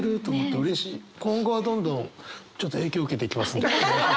今後はどんどんちょっと影響受けていきますんで。